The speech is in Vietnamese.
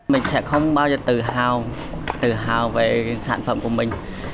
mình sẽ không bao giờ tự hào tự hào về sản phẩm của mình